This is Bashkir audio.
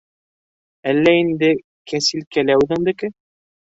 Әллә инде кәсилкә лә үҙендеке?